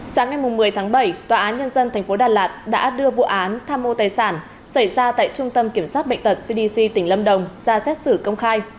sáng ngày một mươi tháng bảy tòa án nhân dân tp đà lạt đã đưa vụ án tham mô tài sản xảy ra tại trung tâm kiểm soát bệnh tật cdc tỉnh lâm đồng ra xét xử công khai